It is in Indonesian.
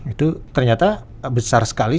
itu ternyata besar sekali